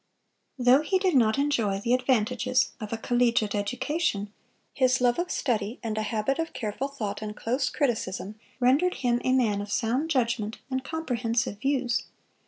Though he did not enjoy the advantages of a collegiate education, his love of study and a habit of careful thought and close criticism rendered him a man of sound judgment and comprehensive views.